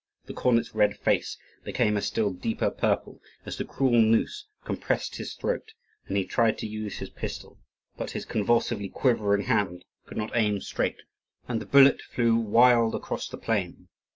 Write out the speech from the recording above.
The cornet's red face became a still deeper purple as the cruel noose compressed his throat, and he tried to use his pistol; but his convulsively quivering hand could not aim straight, and the bullet flew wild across the plain.